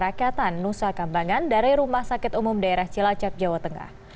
ini adalah perakatan nusa kambangan dari rumah sakit umum daerah cilacap jawa tengah